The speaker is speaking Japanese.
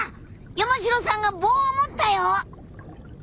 山城さんが棒を持ったよ！